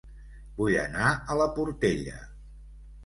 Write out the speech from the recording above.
Vull anar a La Portella